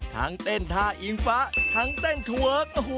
ทั้งเต้นท่าอิงฟ้าทั้งเต้นทัวร์